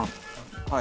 はい。